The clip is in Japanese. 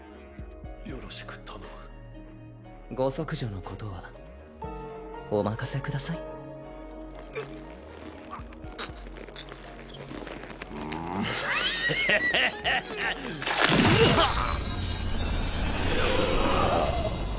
よろしく頼むご息女のことはお任せくださいうっううヘヘヘヘヘぐはあっ！